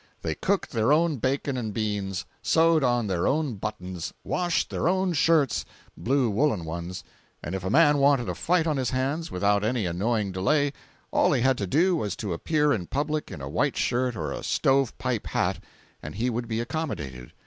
They cooked their own bacon and beans, sewed on their own buttons, washed their own shirts—blue woollen ones; and if a man wanted a fight on his hands without any annoying delay, all he had to do was to appear in public in a white shirt or a stove pipe hat, and he would be accommodated.